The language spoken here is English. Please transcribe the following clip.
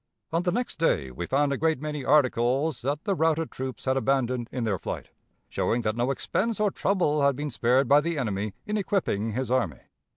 On the next day we found a great many articles that the routed troops had abandoned in their flight, showing that no expense or trouble had been spared by the enemy in equipping his army....